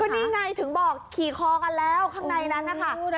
นี่ไงถึงบอกขี่คอกันแล้วข้างในนั้นนะคะ